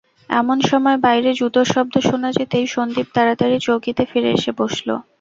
এমন সময় বাইরে জুতোর শব্দ শোনা যেতেই সন্দীপ তাড়াতাড়ি চৌকিতে ফিরে এসে বসল।